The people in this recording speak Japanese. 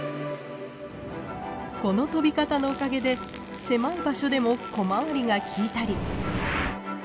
この飛び方のおかげで狭い場所でも小回りが利いたり。